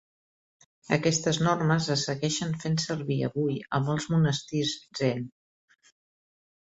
Aquestes normes es segueixen fent servir avui a molts monastirs Zen.